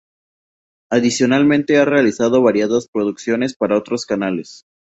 Adicionalmente ha realizado variadas producciones para otros canales.